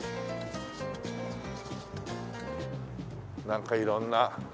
なんか色んな。